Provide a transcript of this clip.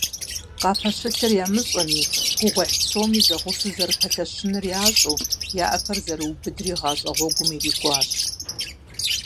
Къапэщылъыр ямыщӏэми, гугъуехь псоми зэгъусэу зэрыпэлъэщынур ящӏэу, я ӏэхэр зэрыубыдри гъащӏэ гъуэгум ирикӏуащ.